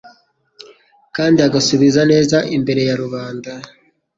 kandi agasubiza neza imbere ya rubanda,